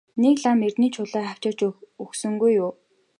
Нэг лам эрдэнийн чулуу авчирч өгсөнгүй юу?